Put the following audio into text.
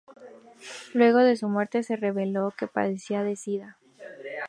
Luego de su muerte se reveló que padecía de sida.